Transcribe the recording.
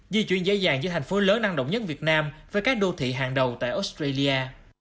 di chuyển dễ dàng giữa thành phố lớn năng động nhất việt nam với các đô thị hàng đầu tại australia